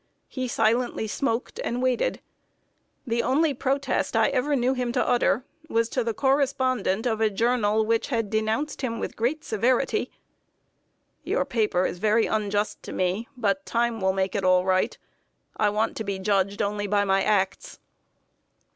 He silently smoked and waited. The only protest I ever knew him to utter was to the correspondent of a journal which had denounced him with great severity: "Your paper is very unjust to me; but time will make it all right. I want to be judged only by my acts."